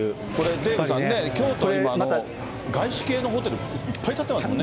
デーブさんね、京都、今、外資系のホテル、いっぱい建ってますもんね。